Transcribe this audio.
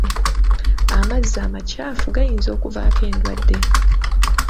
Amazzi amakyafu gayinza okuvaako endwadde.